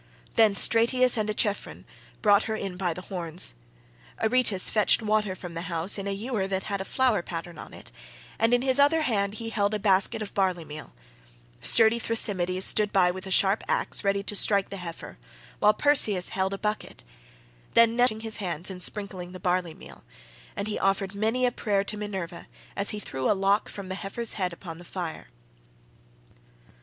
Then Stratius and Echephron brought her in by the horns; Aretus fetched water from the house in a ewer that had a flower pattern on it, and in his other hand he held a basket of barley meal; sturdy Thrasymedes stood by with a sharp axe, ready to strike the heifer, while Perseus held a bucket. Then Nestor began with washing his hands and sprinkling the barley meal, and he offered many a prayer to Minerva as he threw a lock from the heifer's head upon the fire.